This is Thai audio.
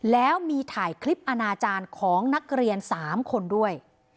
แล้วมีถ่ายคลิปอนาจารย์ของนักเรียน๓คนด้วย